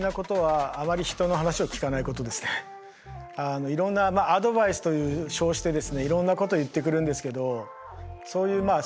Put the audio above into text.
あのいろんなアドバイスと称してですねいろんなこと言ってくるんですけどそういうまあ